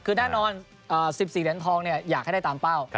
คือแน่นอน๑๔เหรียญทองอยากให้ได้ตามเป้า